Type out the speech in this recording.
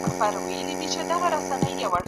د افغانستان د علومو اکاډمي